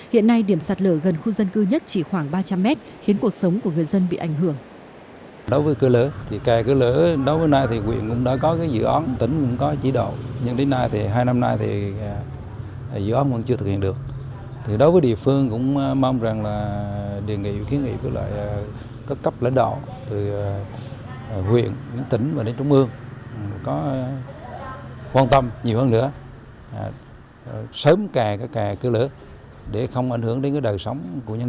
hiện nay điểm sạt lở gần khu dân cư nhất chỉ khoảng ba trăm linh mét khiến cuộc sống của người dân bị ảnh hưởng